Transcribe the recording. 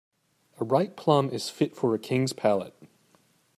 A ripe plum is fit for a king's palate.